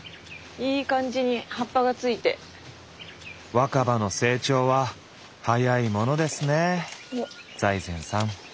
若葉の成長は早いものですね財前さん。